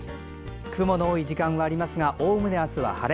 雲の多い時間はありますがおおむね、あすは晴れ。